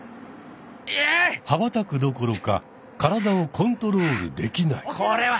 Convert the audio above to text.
はばたくどころか体をコントロールできない。